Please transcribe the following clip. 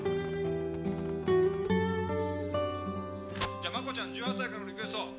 「じゃマコちゃん１８歳からのリクエスト。